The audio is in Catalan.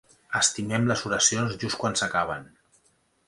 Estimen les oracions just quan s'acaben.